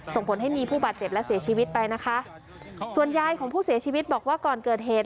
ส่งผลให้มีผู้บาดเจ็บและเสียชีวิตไปนะคะส่วนยายของผู้เสียชีวิตบอกว่าก่อนเกิดเหตุ